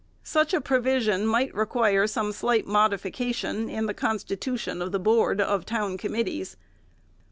Such a provision might require some slight modification in the constitution of the board of town committees.